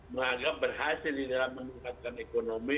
menganggap berhasil di dalam meningkatkan ekonomi